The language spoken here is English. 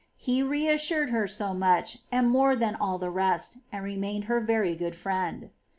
He reassured her so much, and more than all the rest, and remained her very good friend.